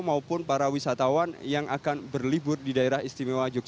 maupun para wisatawan yang akan berlibur di daerah istimewa yogyakarta